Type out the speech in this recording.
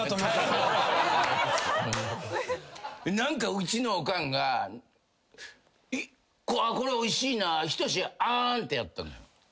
何かうちのおかんが「これおいしいな」ってやった。